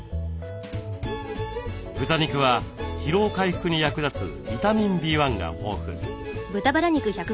豚肉は疲労回復に役立つビタミンＢ１が豊富。